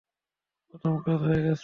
প্রথম কাজ হয়ে গেছে।